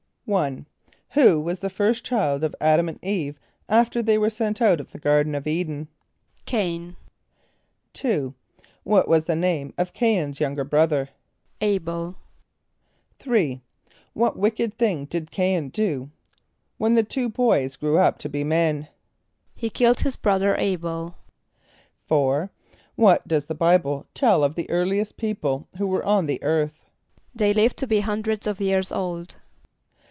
=1.= Who was the first child of [)A]d´[)a]m and [=E]ve after they were sent out of the garden of [=E]´d[)e]n? =C[=a]in.= =2.= What was the name of C[=a]in's younger brother? =[=A]´b[)e]l.= =3.= What wicked thing did C[=a]in do when the two boys grew up to be men? =He killed his brother [=A]´b[)e]l.= =4.= What does the Bible tell of the earliest people who were on the earth? =They lived to be hundreds of years old.